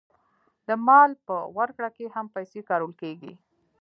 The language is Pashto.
د مال په ورکړه کې هم پیسې کارول کېږي